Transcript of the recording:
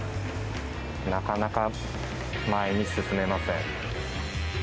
なかなか前に進めません。